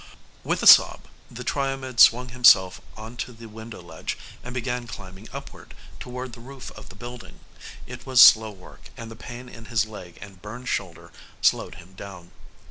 With a sob, the Triomed swung himself onto the window ledge and began climbing upward, toward the roof of the building. It was slow work and the pain in his leg and burned shoulder slowed him down.